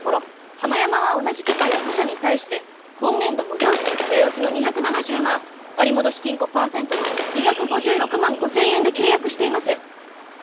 ハマヤマは同じ機械を他社に対して今年度も料金据え置きの２７０万割戻金５％の２５６万５，０００円で契約しています。